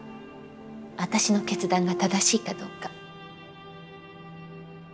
私の決断が正しいかどうか。